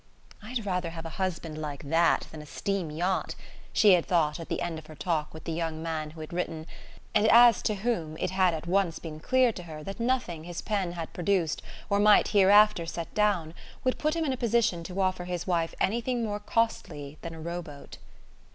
"I'd rather have a husband like that than a steam yacht!" she had thought at the end of her talk with the young man who had written, and as to whom it had at once been clear to her that nothing his pen had produced, or might hereafter set down, would put him in a position to offer his wife anything more costly than a row boat.